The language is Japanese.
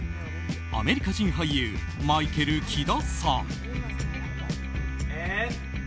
アメリカ人俳優マイケル・キダさん。